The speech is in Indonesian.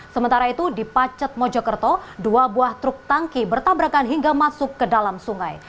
sementara itu di pacet mojokerto dua buah truk tangki bertabrakan hingga masuk ke dalam sungai